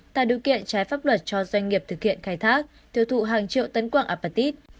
tài đối kiện trái pháp luật cho doanh nghiệp thực hiện khai thác thiêu thụ hàng triệu tấn quạng apatit